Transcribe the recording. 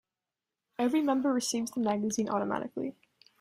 Every member receives the magazine automatically.